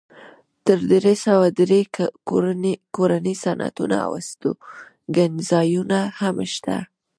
تر درې سوه ډېر کورني صنعتونه او هستوګنځایونه هم شته.